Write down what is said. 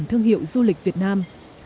của thương hiệu du lịch việt nam